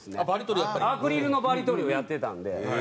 アクリルのバリ取りをやってたんで。